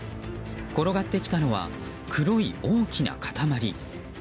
転がってきたのは黒い大きな塊。